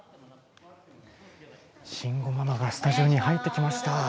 慎吾ママがスタジオに入ってきました。